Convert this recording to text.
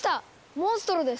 モンストロです！